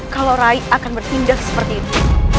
kalau rai akan bertindak seperti itu